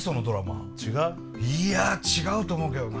いや違うと思うけどな。